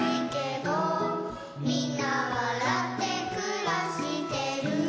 「みんなわらってくらしてる」